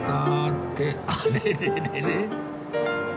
ってあれれれれ？